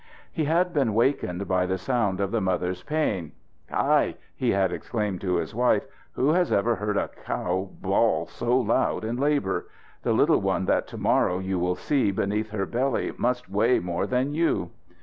He had been wakened by the sound of the mother's pain. "Hai!" he had exclaimed to his wife. "Who has ever heard a cow bawl so loud in labour? The little one that to morrow you will see beneath her belly must weigh more than you!"